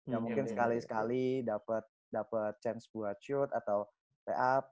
ya mungkin sekali sekali dapet chance buat shoot atau layup